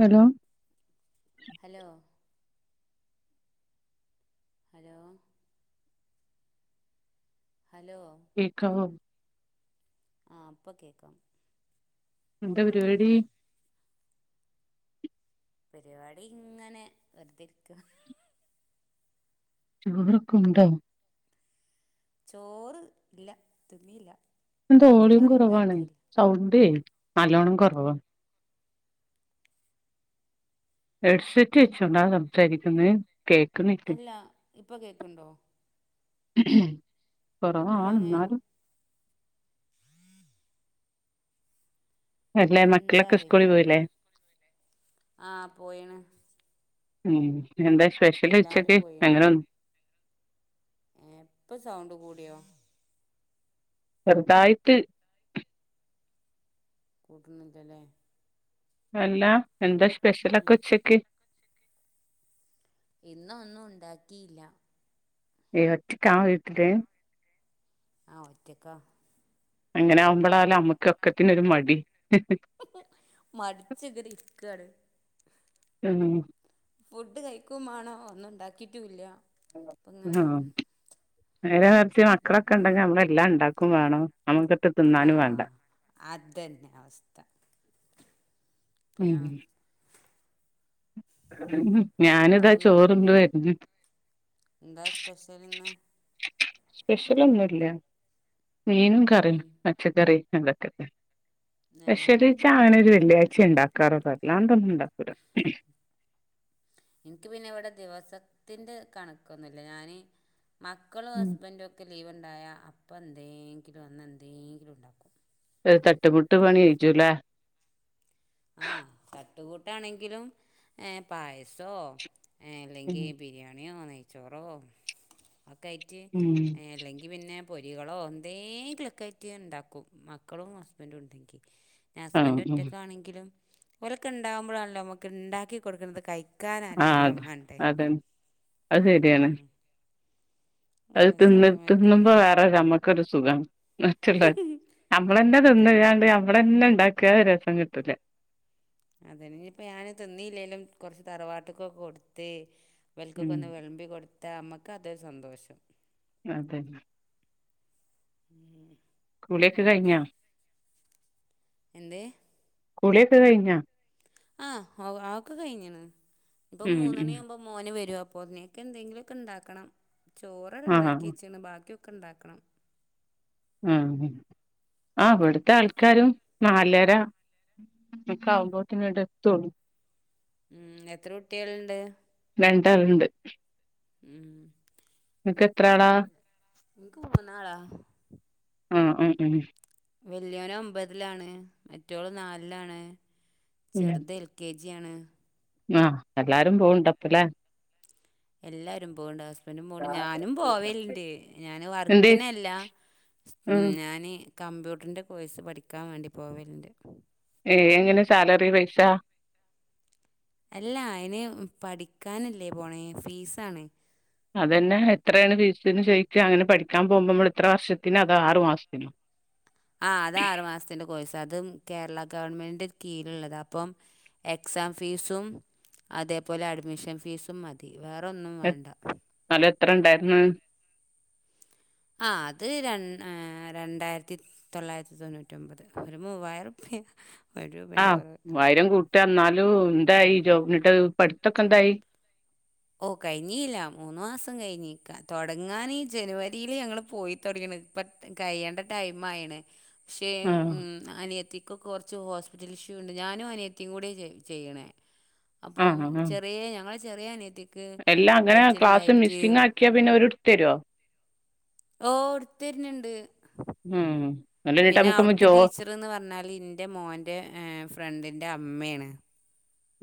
Hello hello hello hello കേൾക്കവോ ആഹ് ഇപ്പൊ കേക്കാം എന്താ പരിപാടി പരിപാടി ഇങ്ങനെ വെറുതെ ഇരിക്കുവാ ചോറ്ക്കെ ഉണ്ടോ ചോറ് ഇല്ല തിന്നില്ല എന്തോളിയും കറി കുറവാണേ ഉണ്ടാക്കിയില്ല സൗണ്ടേ നലോണം കുറവാണ് ഹെഡ്സെറ്റ് വെച്ചോണ്ടാ സംസാരിക്കുന്നേ കേ അല്ല ഇപ്പ കേക്കണ്ടോ [unintelligible] ഇപ്പോഴും കുറാവാണ് അങ്ങെ എന്നാലും അല്ലെ എന്താ മക്കളൊക്കെ സ്കൂളിൽ പോയില്ലേ ആഹ് പോയേണ് ഉം എന്താ സ്പെഷ്യല് എല്ലാരും ഉച്ചക്ക് അങ്ങനെ എപ്പ സൗണ്ട് കൂടിയോ ചെറുതായിട്ട് പോകുന്നതല്ലേ അല്ല എന്താ സ്പെഷ്യല് ആക്കെ ഉച്ചക്ക് ഇന്നൊന്നും ഉണ്ടാക്കിയില്ല നീ ഒറ്റയ്ക്ക് ആണോ വീട്ടില് ആഹ് ഒറ്റക്കാ അങ്ങനെ ആവുമ്പോളാല്ലേ അമ്മക്കൊക്കത്തിനൊരു മടി മടിച്ചങ്ങനെ ഇരിക്കയാണ് ഉം ഫുഡ് കഴിക്കുംമാണം ഒന്നുണ്ടാക്കിട്ടുല്ല്യ ആഹ് നേരെ മറിച്ച് മക്കളൊക്കെ ഉണ്ടെങ്കി നമ്മളെല്ലാം ഉണ്ടാക്കും വേണം ആമക്ക് ട്ട് ആഹ് അതെന്നെ അവസ്ഥ പി ആഹ് ഞാനിതാ ചോറുണ്ട് വരുന്നു എന്താ സ്പെഷ്യലിന്ന് സ്പെഷ്യലൊന്നും ഇല്ല മീനും കറീം ഉം പച്ചക്കറി അതൊക്കെ ആഹ് സ്പെഷലിച്ചാ അതന്നെ അങ്ങനൊരു വെള്ളിയാഴ്ച ഉണ്ടാക്കാറുള്ളോ അല്ലാതൊന്നും ഉണ്ടാക്കൂല്ല എനിക്ക് പിന്നെ ഇവിടെ ദിവസത്തിന്റെ കണക്കൊന്നുമല്ല ഞാന് മാ മക്കളും ഉം ഹസ്ബൻഡും ഒക്കെ ലീവ് ഉണ്ടായാൽ അപ്പം എന്തെങ്കിലും അന്ന് എന്തെങ്കിലും ഉണ്ടാക്കും ഒരുതട്ടുമുട്ട് പണി കഴിച്ചുലേ അത് തട്ടുകൂട്ടാണെങ്കിലും ഏഹ് പായസോ ഉം അല്ലെങ്കിൽ ബിരിയാണിയോ നെയ്ച്ചോറോ ഒക്കെ ആയിട്ട് അല്ലെങ്കി ക്ക് പിന്നെ പൊരികളോ എന്തെങ്കിലൊക്കെ ആയിട്ട് ഉണ്ടാക്കും മക്കളും ഹസ്ബൻഡും ഉണ്ടെങ്കിൽ ആഹ് ഹസ്ബൻ് ഉം ഒറ്റക്കണെങ്കിലും ഒലൊക്കെ ഉണ്ടകുമ്പോഴാണല്ലോ നമുക്ക് ഉണ്ടാക്കി കൊടുക്കുന്നത് കൈ ആഹ് ക്കാനാരെങ്കിലും അതെ വേണ്ടേ അതന്നെ അത് ശരിയാണ് ഉം. നല്ല അത് തിന്ന് രസമായിട്ട് മറ്റ് തിന്നുമ്പോ വേറെ നമ്മക്ക് ഒരു സുഖണ് നച്ചുള്ള നമ്മളന്നെ അതന്നെ തിന്ന്ങ്കാണ്ട് നമ്മളന്നെ ഉണ്ടാക്കിയാ രസം കിട്ടൂല അതനി ഇപ്പോ ഞാന് തിന്നില്ലെലും കുറച്ച് തറവാട്ട്ക്കൊക്കെ കൊടുത്തെ ഇവൽക്കൊക്കെ ഉം ഒന്ന് വിളമ്പി കൊടുത്ത നമ്മക്ക് അതൊരു സന്തോഷം അതെ ഉം കുളിയൊക്കെ കഴിഞ്ഞാ എന്തെ കുളിയൊക്കെ കഴിഞ്ഞ ആഹ് ഔ അതൊക്കെ കഴിഞ്ഞണ് ഇപ്പം ഉം ഉം മൂന്നണിയ ആവുമ്പോ മോന് വരുവാ അപ്പോത്തിന് എന്തെങ്കിലുമൊക്കെ ഉണ്ടാക്കണം ചോറ് ആഹ് ഉണ്ടാക്കി വെച്ചാണ് ബാക്കി ഒ ക്കെ ഉണ്ടാക്കണം ഉം ഉം ആഹ് അവിടുത്തെ ആൾക്കാരും നാലര ഒക്കെ ആവുമ്പോത്തിന് ഇങ്ങട് എത്തുള്ളു ഉം എത്ര കുട്ടികളുണ്ട് രണ്ടാളുണ്ട് ഉം നിക്ക് എത്രാളാ എനിക്ക് മൂന്നാളാ ആഹ് ആഹ് ഉം വെല്യോന് ഒമ്പതിലാണ് മറ്റോള് നാലിലാണ് ചെറുത് എൽ കെ ജിയാണ് ആഹ് എല്ലാരും പോണണ്ടപ്പല്ലേ എല്ലാരും പോണ് ണ്ട് ഹസ് ബൻറും പൊണ്ട് ഞാനും പോവലുണ്ട് ഞാൻ എന്ത് വർക്കിനല്ല ഉം ഞാന് കമ്പ്യൂട്ടറിൻ്റെ കോഴ്സ് പഠിക്കാൻ വേണ്ടി പോവലുണ്ട് ഏയ് എങ്ങനെ സാലറി പൈസ അല്ല അതിന് പഠിക്കാനല്ലേ പോണേ ഫീസാണ് അതന്നെ എത്രയാണ് ഫീസ് ന്ചോദിക്ക അങ്ങനെ പഠിക്കാൻ പോകുമ്പോ നമ്മൾ എത്ര വർഷത്തിനോ അതോ ആറു മാസത്തിനോ ആഹ് അത് ആറു മാസത്തിന്റെ കോഴ്സ് അതും കേരള ഗവൺമെന്റ് കീഴുള്ളതാ അപ്പം എക്സാം ഫീസും അതേപോലെ അഡ്മിഷൻ ഫീസും മതി വേറൊന്നും വേണ്ട അല എത്ര ഉണ്ടായിരുന്നു ആഹ് അത് ര രണ്ടായിരത്തി തൊള്ളായിരത്തി തൊണ്ണൂറ്റി ഒമ്പത് ഒരു മൂവായിരം റുപ്യ ഒരു രൂപേൻ്റെ കുറവ് ആഹ് ആയിരം കൂട്ടിന്നാലും എന്തായി ജോബിനിട്ട് പഠിത്തൊക്കെ എന്തായി ഓ കഴിഞ്ഞില്ല മൂന്ന് മാസം കഴിഞ്ഞക്കാം തുടങ്ങാൻ ഈ ജനുവരിയിൽ ഞങ്ങൾ പോയി തുടങ്ങുന്നത് ഇപ്പ കഴയ്യേണ്ട ടൈം ആയിണ് പക്ഷേ ആ ഉ അനിയത്തിക്ക കുറച്ച് ഹോസ്പിറ്റൽ ഇഷ്യൂ ഉണ്ട് ഞാനും അനിയത്തിയും കൂടി ചെയ്യണേ ആ അപ്പം ആ ചെറിയ ഞങ്ങൾ ചെറിയനത്തി എല്ലാം അങ്ങനെ ക്ലാസ് മിസ്സിങ് ആക്കിയാ പിന്നെ ഒരിടുത്ത് തരുവോ ഓ ഒടുത്തരരുന്നുണ്ട് ഉം അല്ല എന്നിട്ട് പിന്നെ നമുക്ക്മ്മ അവിടുത്തെ ജോ ടീച്ചർന്ന് പറഞ്ഞാൽ എറെ മോന്റെ ഫ്രണ്ടിന്റെ അമ്മയാണ്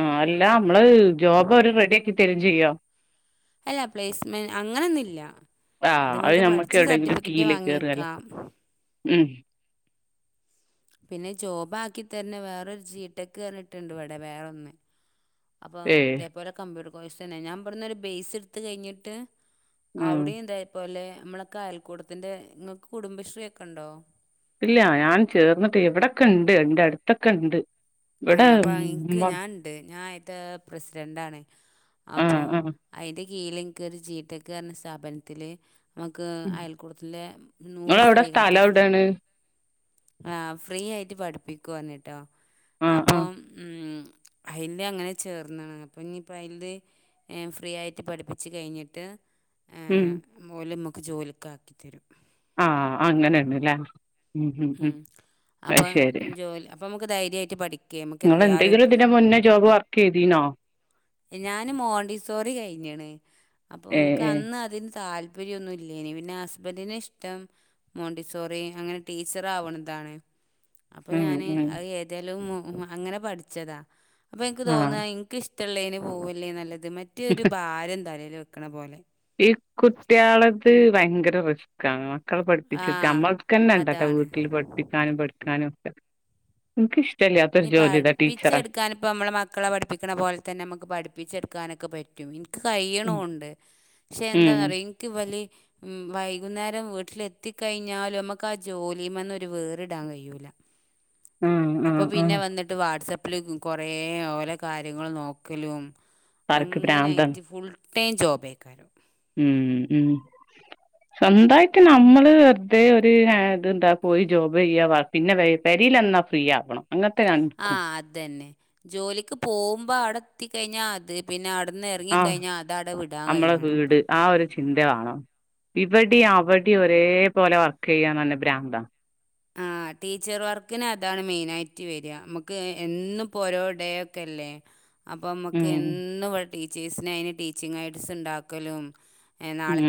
ആഹ് അല്ല നമ്മള് ജോബ് അവര് റെഡി ആക്കി തരിയും ചെയ്യോ അല്ല പ്ലേസ്മെൻറ് അങ്ങനെയൊന്നുമില്ല ഇത് ആഹ് അത് നമുക്ക് നമ്മക്ക് പഠിച്ച് എവിടെയെങ്കിലും സർട്ടിഫിക്കറ്റ് കീല് കേറുകല്ലേ വാങ്ങിയേക്കാം ഉം പിന്നെ ജോബ് ആക്കി തന്നെ വേറൊരു ചീട്ടക്ക് കഞ്ഞിട്ടുണ്ട് ഇവിടെ വേറെൊന്ന് അപ്പം ഏ ഇതേപോലെ കമ്പ്യൂട്ടർ കോഴ്സ് തന്നെ ഞാൻ പറഞ്ഞൊരു ബേയ്സ് എടുത്ത് കഴിഞ്ഞിട്ട് ഉം അവിടെ എന്തായപ്പോലെ നമ്മളൊക്കെ അയൽക്കൂടത്തിന്റെ നിങ്ങൾക്ക് കുടുംബശ്രീ ഒക്കെ ഉണ്ടോ ഇല്ല ഞാൻ ചേർന്നിട്ട് എവിടൊക്കെ ഉണ്ട് എന്റെ അടുത്തൊക്കെ ഉണ്ട് ആഹ് അപ്പം എനിക്ക് ഞനുണ്ട് ഞാൻ അതിത്തെ പ്രസിഡൻ്റാണ് ആഹ് അപ്പം ആഹ് അതിന്റെ കീഴ എങ്ങക്ക് ഒരു ജീടെക്ക് കാരന്റെ സ്ഥാപനത്തില് നമുക്ക് ഉം അയൽക്കൂടത്തിലെ നൂറ് നിങ്ങളവിടെ സ്ത്രീകൾക്ക് സ്ഥലം ഫ്രീ എവിടാണ് ആഹ് ഫ്രീ ആയിട്ട് പഠിപ്പിക്കുന്ന കേട്ടോ ആഹ് ആഹ് അപ്പം അതില് അങ്ങനെ ചേർന്നാണ് അപ്പം ഇനിയിപ്പോം അതില് ഫ്രീ ആയിട്ട് പഠിപ്പിച്ച് കഴിഞ്ഞിട്ട് ഉം പോലും നമുക്ക് ജോലിയൊക്കെ ആക്കിത്തരും ആഹ് അങ്ങനെയണല്ലേ ഉംഅപ്പം ജോലി അപ്പം നമുക്ക് ധൈര്യമായിട്ട് പഠിക്ക നിങ്ങ എന്തെങ്കിലും ഇതിന് മുന്നേ ജോബ് വർക്ക് ചെയ്തീനോ ഞാന് മോണ്ടിസോറി കഴിഞ്ഞാണ് അപ്പൊ ഏ ഇനിക്ക് ഏ അന്ന് അതിന് താല്പര്യം താപര്യ ഒന്നും ഇല്ലനി പിന്നെ ഹസ്ബന്ഡന്റിന് ഇഷ്ടം മോണ്ടിസോറി അങ്ങനെ ടീച്ചർ ആവണ ഇതാണ് അപ്പൊ ഉം ഞാന് ഉം ഏതാലും അങ്ങനെ പഠിച്ചതാ അപ്പൊ എനിക്ക് തോന്നുന്ന ആഹ് എനിക്ക്ഷ്ട ഒത്തുള്ളേന് പോവല്ലേ നല്ലത് മറ്റേൊരു ഭാരം തലേൽ വെക്കണ പോലെ ഈ കുട്ടികളത് ഭയങ്കര പ്രശ മക്കളെ ആ പഠിപ്പിച്ചു നമ്മൾക്ക്ന്നെണ്ടട്ട അതാണ് വീട്ടിൽ പഠി പഠിക്കാനും പഠിക്കാനും ഒക്കെ എനക്ക് ഇഷ്ടമല്ലാത്തൊരു ജോലി ഇതാ ടീച്ചറ ക്കാന ഇപ്പോ നമ്മള മക്കളെ പഠിക്കുന്ന പോലെന്നെ നമുക്ക് പഠിപ്പിച്ചെടുക്കാനൊക്കെ പറ്റും പറ്റും എനിക്ക് ഉം കഴിയണുണ്ട് പക്ഷെ ഉം എന്താന്നറിയാ എനിക്ക് വല ഉം വൈകുന്നേരം വീട്ടില എത്തിക്കഴിഞ്ഞാലും നമ്മുക്ക് ആ ജോലി വന്നൊരു വേറിടാൻ കഴിയൂല ഉം അപ്പൊ പിന്നെ വന്നിട്ട് വാട്സാപ്പില് കൊറേ ഓലെ കാര്യങ്ങൾ നോക്കലും ആൾക്ക് ഭ്രാന്താണ് അങ്ങനൊയിട്ട് ഫുൾ ടൈം ജോബേക്കാരോ ഉം ഉം സ്വന്തായിട്ട് നമ്മള് വെറുതെ ഒരു ഇതെന്താ പോയി ജോബ് ചെയ്യാ പിന്നെ പരിൽന്നാ ഫ്രീ ആക്കണം അങ്ങനത്തെ നിക്കും ആഹ് അത് തന്നെ ജോലിക്ക് പോകുമ്പോ അവിടെ എത്തിക്കഴിഞ്ഞാ അത് പിന്നെ അവിടുന്ന് ആഹ് ഇറങ്ങിക്കഴിഞ്ഞാൽ അത് അവിടെ വിടാൻ നമ്മളെ കഴിയണം വീട് ആഹ് ഒരു ചിന്ത വേണം ഇവടിം അവടിം ഒരേപോലെ വർക്ക് ചെയ്യാൻ തന്നെ ബ്രാന്താണ് ആഹ് [inaudible] ടീച്ചർ വർക്കിന് അതാണ് മെയിനായിട്ട് വരിക നമുക്ക് എന്നും ഓരോ ഡേ ഒക്കെയില്ലേ അപ്പം മ്മക്ക് ഉം എന്നും ഇവിടെ ടീച്ചേഴ്സിന് അയ്ന് ടീച്ചിങ് ഐഡ്സ് ണ്ടാക്കലും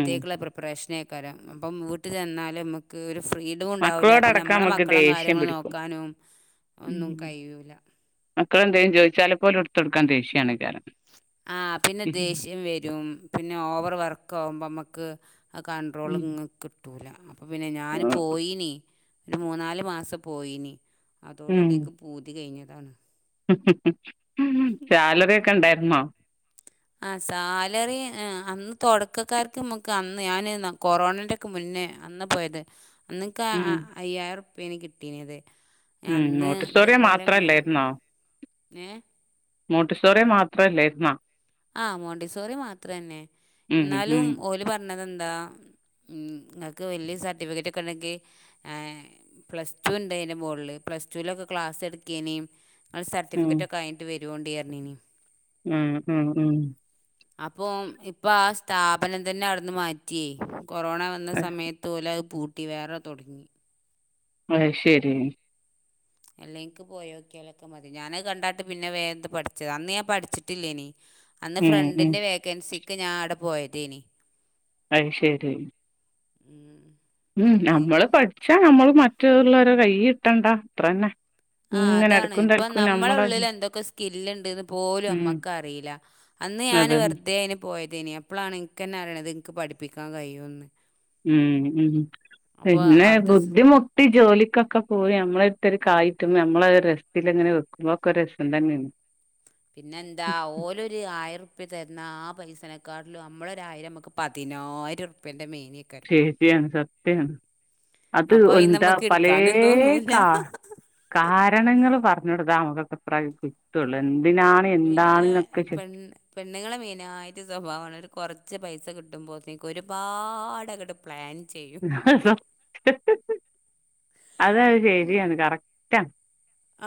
ഉം പ്രിപ്പറേഷനേക്കാരം അപ്പം വീട്ടിൽ ചെന്നാലും നമുക്ക് ഒരു ഫ്രീഡും ണ്ടാവില്ല മക്കളോടടക്കം നമ്മളെ നമ്മക്ക് മക്കളും ദേഷ്യം കാര്യങ്ങളും പിടിക്കും നോക്കാനും ഉം ഒന്നും കഴിയൂല്ല മക്കളെന്തേലും ചോദിച്ചാൽ പോലും എടുത്തടുക്കാൻ ദേഷ്യണ്കാരം ആഹ് പിന്നെ ദേഷ്യം വരും പിന്നെ ഓവർ വർക്ക് ആകുമ്പോ നമ്മക്ക് ആഹ് കണ്ട്രോള് ങ്ങ്ക്കിട്ടൂല അപ്പം പിന്നെ ഞാൻ പോയിനി ഒരു മൂന്നാല് മാസം പോയിനി ഉം അതോടുകൂടെ ന്ക്ക് പൂതി കഴിഞ്ഞതാണ് സാലറി ഒക്കെണ്ടായിരുന്നോ ആഹ് സാലറി അന്ന് തുടക്കക്കാർക്ക് നമ്മക്ക് അന്ന് ഞാൻ കൊറോണന്റെ മുന്നേ അന്ന് പോയത് അന്ന്ക്ക് ഉം അയ്യായിർപ്യാണ് കിട്ടീനത് ഉം അന്ന് നോട്ടിസോറിയോ ഇതേപോലെ മൂന്ന് മാത്രല്ലായിരുന്നോ ഏ മോട്ടിസോറിയ മാത്രല്ലായിരുന്നാ ആഹ് മോണ്ടിസോറി മാത്രന്നെ ഉം എന്നാലും ഉം ഓല് പറഞ്ഞതെന്താ ങ്ങക്ക് വല്യ സർട്ടിഫിക്കറ്റ് ഒക്കെ ഉണെങ്കി പ്ലസ്ടുണ്ട് അയ്ന്റെ മോളിൽ പ്ലസടുലൊക്കെ ക്ലാസ് എടുക്കനേയും അത് ഉം സർട്ടിഫിക്കറ്റോക്കെ അയിട്ട് വരോണ്ടി പറഞ്ഞീനി ഉം ഉം ഉം അപ്പൊ ഇപ്പ സ്ഥാപനം തന്നെ അവിടുന്ന് മാറ്റിയേ കൊറോണ വന്ന സമയത്ത് തൊലെ അത് പൂട്ടി വേറെ തുടങ്ങി അയ്ശെരി അല്ലെനിക്ക് പോയോക്കിയാലൊക്കെ മതി ഞാനൻ കണ്ടാട്ട് പിന്നെ വേന്ത പഠിച്ചത് അന്ന് ഞാൻ പഠിച്ചിട്ടില്ലേനി അന്ന് ഉം ഉം ഫ്രണ്ടിന്റെ വേക്കൻസിക്ക് ഞാൻ അവിടെ പോയതേനി അയ്ശെരി ഉം ഉം നമ്മള് അന്ന് പഠിച്ചാ നമ്മൾ മറ്റുള്ളവരോട് കൈയ്യീട്ടണ്ട അത്രന്നെ ആഹ് ഇങ്ങനെ അതാണ് എടക്കും ഇപ്പൊ തലക്കും നമ്മള നമ്മള് ഉള്ളിൽ എന്തൊക്കെ സ്കില്ലണ്ട്ന്ന് പോലും ഉം അമ്മക്ക് അറില അന്ന് ഞാന് അതെ വെറുതെയിന് പോയതേനി അപ്പളാണ് ഇനക്കന്നെ അറിണത് ഇന്ക്ക് പഠിപ്പിക്കാൻ കഴിയുമെന്ന് ഉം ഉം അപ്പോൾ പിന്നെ അവിടുത്തെ സ്- ബുദ്ധിമുട്ട മുട്ടി ജോലിക്കൊക്കെ പോയി നമ്മളെടുത്തൊരു കായ് കിട്ടുമ്പോ നമ്മള ഒരു രസത്തിൽ ഇങ്ങനെ വെക്കുമ്പോക്കെ രസം തന്നെണ് [inaudible] പിന്നെന്താ ഓലോ ഒരു ആയിരർപ്യ തര്ന്ന ആഹ് പൈസനെക്കാട്ടും നമ്മളൊരായിരം നമുക്ക് പതിനായിരർപ്യന്റെ മേലേകാരം സത്യാണ് അത് അപ്പോൾ ഇന്ന് എന്താ നമുക്ക് പലേ എടുക്കാനും തോന്നൂല കാ കാരണങ്ങൾ പറഞ്ഞോട്താ നമുക്കൊക്കെ ഇത്ര കിട്ടുള്ളു എന്തിനാണ് എന്താണ് പിന്നെ ചോയ്ക പെണ്ണ് പെണ്ണുങ്ങളെ മെയിനായിട്ട് സ്വഭാവമാണ് ഒരു കുറച്ച് പൈസ കിട്ടുമ്പോഴത്തേക്ക് ഒരുപാടെങ്ങട്ട് പ്ലാൻ ചെയ്യും അതത് ശരിയാണ് കറക്റ്റ്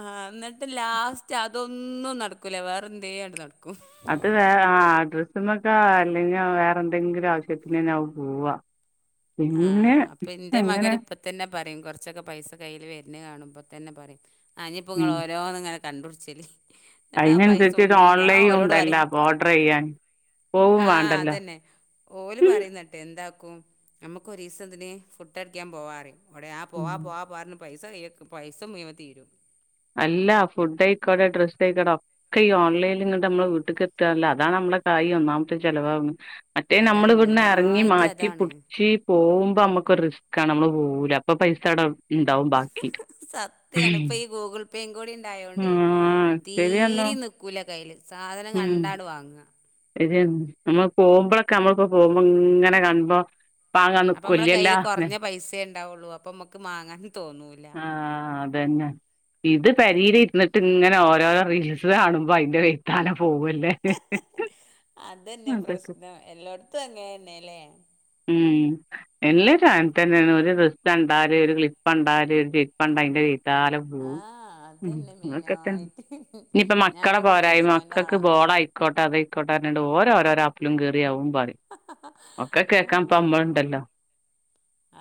ആഹന്നിട്ട് ലാസ്റ്റ് അതൊന്നും നടക്കൂല വേറെന്തലും നടക്കും അത് വേ ആഹ് ഡ്രസ്സമ്മൊക്കെ അല്ലെങ്കി വേറെ എന്തെങ്കിലും ആവശ്യത്തിനാവും പോവാ പിന്നെ ആഹ് അപ്പൊ ഇന്റെ ഇപ്പങ്ങനെ മകന് ഇപ്പ തന്നെ പറയും കുറച്ചൊക്കെ പൈസ കയ്യിൽ വരുണെ കാണുമ്പോ തന്നെ പറയും അനിപ്പോങ്ങൾ ഓരോന്ന ഇങ്ങനെ കണ്ടുട്ച്ചൽ അതിനനുസരിച്ചിട്ട് ഓൺലൈൻ ഉണ്ടല്ല പറയും അപ്പൊ ഓർഡർ ചെയ്യാൻ പോവും ആഹ് വേണ്ടല്ലോ അതന്നെ ഓല് പറയുന്നട്ടെന്താക്കും നമുക്ക് ഒരു ദിവസം ഇതിന് ഫുഡ് അടിക്കാൻ പോവാറിയും ഓടെ ആഹ് പോവാ പോവാ പോ പറയു പൈസ പൈസ മുയവനും തീരും അല്ല ഫുഡ് ആയിക്കോട്ടെ ഡ്രസ്സ് ആയിക്കോട്ടെ ക്കെ ഈ ഓൺലൈനിൽ ഇങ്ങട്ട് നമ്മള വീട്ടിക്ക് എത്തോല്ല അതാണ് നമ്മളെ കായി ഒന്നാമത്തെ ചിലവാവുന്നെ മറ്റേ നമ്മള് അതാണ് ഇവിടുന്ന് എറങ്ങി മെയിനായിട്ട് അതാണ് മാറ്റിപ്പുടിച്ച് പോകുമ്പോ നമ്മുക്കൊരു റിസ്ക്കാണ് നമ്മള് പോവൂല അപ്പൊ പൈസ അവിടവെ സത്യം ആണ് ഇപ്പോ ഈ ഗൂഗിൾ പേ കൂടി ഇണ്ടായോണ്ട ആഹ് ശരിയെന്നോ തീരെ നിക്കൂല കൈയ്യില് സാധനം കണ്ടാ അട് വാങ്ങുക ഇത് [unintelligible] നമ്മള് പോകുമ്പളൊക്കെ നമ്മക്ക് പോകുമ്പോ ഇങ്ങനെ കാണുമ്പോ വാങ്ങാൻ നിക്കുവല്ല്യേല്ലാന്ന് പൈസെ ഉണ്ടാവുള്ളൂ അപ്പൊ നമുക്ക് മാങ്ങാനും തോന്നൂല ആഹ് അതന്നെ ഇത് പെരയില് ഇരുന്നിട്ട് ഇങ്ങനെ ഓരോരോ റീൽസ് കാണുമ്പോ അതിന്റെ കൈത്താന പോവുവല്ലേ ഹ് ഹ് ഹ് അതന്നെ പ്രശ്നം എല്ലോടുത്തും അങ്ങനെ തന്നെ അല്ലേ ഉം എല്ലരും അങ്ങനെ തന്നെയാണ് ഒരു ഡ്രസ് കണ്ടാല് ഒരു ക്ലിപ്പ് കണ്ടാല് ഒരു ചെരുപ്പ് കണ്ട അതിന്റെ താലെ പോവും ആഹ് ഉം അതന്നെ അതൊക്കെ തന്നെ മെയിനായിട്ട് ഇനിപ്പോ മക്കള ഞാനൊക്കെ പോരായിമ മീഷോന്റെ മക്കക്ക് ആളാ ബോളായി ക്കോട്ടേ അതായിക്കോട്ടെ പറഞ്ഞോണ്ട് ഓരോരോരോ ആപ്പിലും കയറിയവും പറയും ഒക്കെ കേൾക്കാൻ ഇപ്പ ആഹ് നമ്മളിണ്ടല്ലോ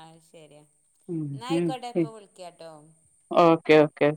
അത് ശരിയാ ഉം എന്ന ആയിക്കോട്ടെ ഇപ്പൊ വിളിക്കാട്ടോ ഓക്കേ ഓക്കെ